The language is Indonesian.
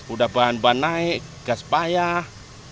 udah bahan bahan naik gas payah